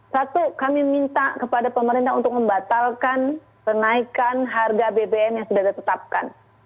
satu kami minta kepada pemerintah untuk membatalkan kenaikan harga bbm yang sudah ditetapkan